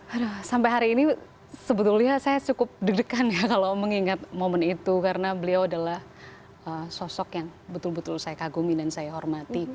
aduh sampai hari ini sebetulnya saya cukup deg degan ya kalau mengingat momen itu karena beliau adalah sosok yang betul betul saya kagumi dan saya hormati